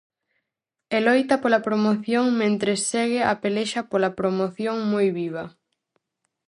E loita pola promoción mentres segue a pelexa pola promoción moi viva.